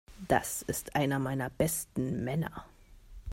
Das ist einer meiner besten Männer.